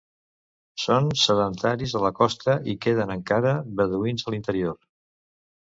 Són sedentaris a la costa i queden encara beduïns a l'interior.